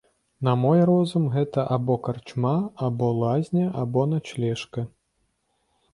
На мой розум, гэта або карчма, або лазня, або начлежка.